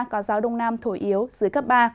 có giáo đông nam thổi yếu dưới cấp ba